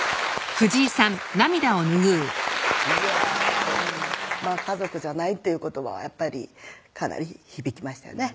いや家族じゃないっていうことはやっぱりかなり響きましたよね